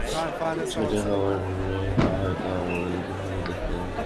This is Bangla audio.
ছয়টার খবরে হয়ত, আমাদের মৃত্যুর খবর দেখতেন আপনি।